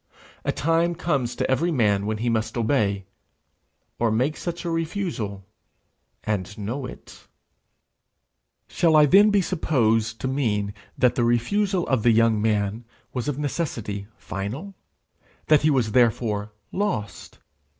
A time comes to every man when he must obey, or make such refusal and know it. Shall I then be supposed to mean that the refusal of the young man was of necessity final? that he was therefore lost?